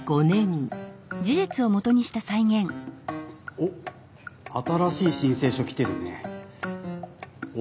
おっ新しい申請書来てるね。